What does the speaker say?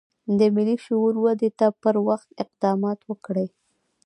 د ملي شعور ودې ته پر وخت اقدامات وکړي.